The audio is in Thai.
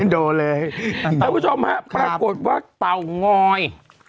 ได้พบชมฮ่ะปรากฏว่าเตาง้อย